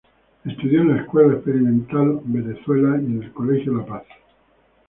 Estudió en la Escuela Experimental Venezuela y en el Colegio La Paz.